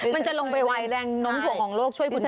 มันจะลงไปไวแรงน้มถ่วงของโลกช่วยคุณชนะ